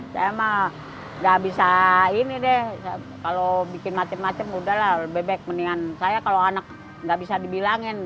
saya mah gak bisa ini deh kalau bikin macem macem udah lah lebih baik mendingan saya kalau anak nggak bisa dibilangin